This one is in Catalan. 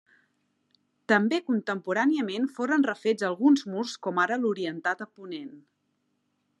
També contemporàniament foren refets alguns murs com ara l'orientat a ponent.